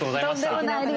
とんでもない。